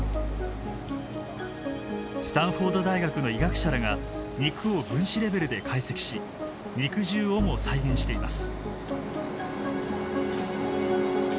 スタンフォード大学の医学者らが肉を分子レベルで解析し肉汁をも再現しています。